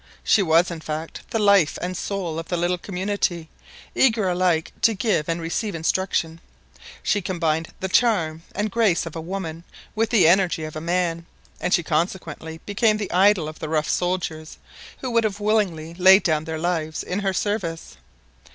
She was, in fact, the life and soul of the little community, eager alike to give and receive instruction; she combined the charm and grace of a woman with the energy of a man, and she consequently became the idol of the rough soldiers, who would have willingly laid down their lives in her service.